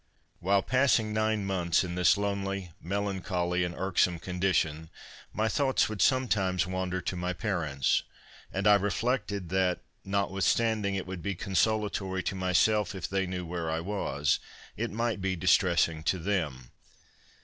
While passing nine months in this lonely, melancholy, and irksome condition, my thoughts would sometimes wander to my parents; and I reflected, that, notwithstanding it would be consolatory to myself if they knew where I was it might be distressing to them.